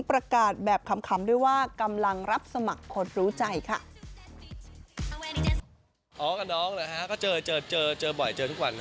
ประกาศแบบขำด้วยว่ากำลังรับสมัครคนรู้ใจค่ะ